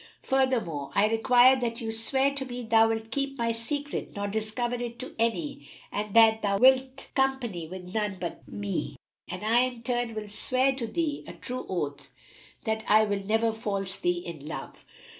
Furthermore I require that thou swear to me thou wilt keep my secret nor discover it to any and that thou wilt company with none but me; and I in turn will swear to thee a true oath that I will never false thee in love."